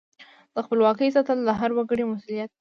د خپلواکۍ ساتل د هر وګړي مسؤلیت دی.